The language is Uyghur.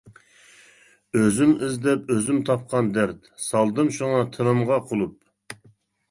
ئۆزۈم ئىزدەپ ئۆزۈم تاپقان دەرد، سالدىم شۇڭا تىلىمغا قۇلۇپ.